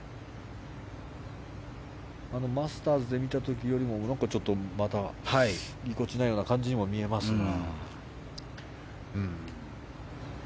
マスターズで見た時よりもちょっと、またぎこちないような感じにも見えますが。